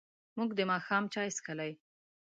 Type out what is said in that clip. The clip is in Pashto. موږ د ماښام چای څښلی.